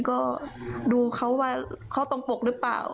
ก็ดูเขาว่าเขาตรงปกหรือเปล่า